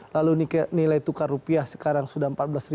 lalu nilai tukar rupiah sekarang sudah empat belas lima ratus